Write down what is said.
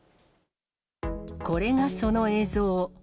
これがその映像。